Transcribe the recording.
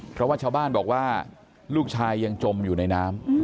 เพราะว่าชาวบ้านบอกว่าลูกชายยังจมอยู่ในน้ำ